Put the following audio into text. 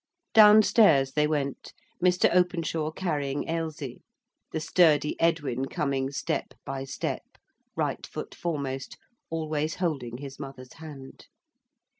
Down stairs they went, Mr. Openshaw carrying Ailsie; the sturdy Edwin coming step by step, right foot foremost, always holding his mother's hand.